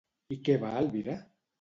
I què va albirar?